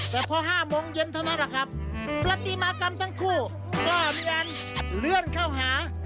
แต่พอ๕โมงเย็นเท่านั้นแหละครับประติมากรรมทั้งคู่ก็มีการเลื่อนเข้าหา